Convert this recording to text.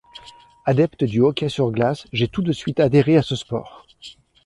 Adepte du hockey sur glace, j’ai tout de suite adhéré à ce sport.